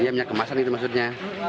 iya minyak kemasan itu maksudnya